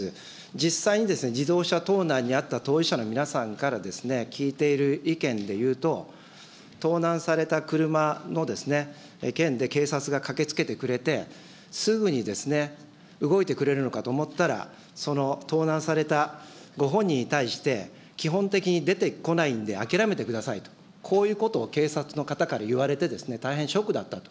実際に自動車盗難に遭った当事者の皆さんから聞いている意見でいうと、盗難された車の件で警察が駆けつけてくれて、すぐに動いてくれるのかと思ったら、その盗難されたご本人に対して、基本的に出てこないんで諦めてくださいと、こういうことを警察の方から言われて、大変ショックだったと。